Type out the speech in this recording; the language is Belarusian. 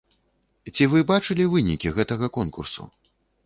Ці вы бачылі вынікі гэтага конкурсу?